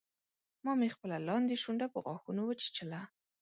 ما مې خپله لاندۍ شونډه په غاښونو وچیچله